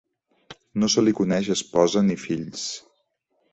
No se li coneix esposa ni fills.